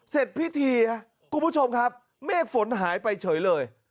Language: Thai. เสร็จพิธีครับคุณผู้ชมครับเมฆฝนหายไปเฉยเลย